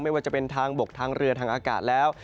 ไม่ว่าจะเป็นทางบกทางเรือทางอากาศแล้ว